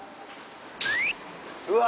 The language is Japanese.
うわ。